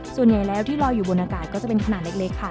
ส่วนใหญ่แล้วที่ลอยอยู่บนอากาศก็จะเป็นขนาดเล็กค่ะ